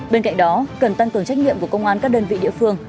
bên cạnh đó cần tăng cường trách nhiệm của công an các đơn vị địa phương